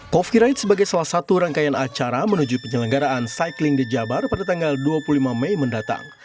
coff kiright sebagai salah satu rangkaian acara menuju penyelenggaraan cycling di jabar pada tanggal dua puluh lima mei mendatang